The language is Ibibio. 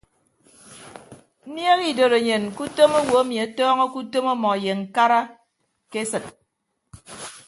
Nniehe idotenyen ke idem owo emi atọọñọke utom ọmọ ye ñkara ke esịt.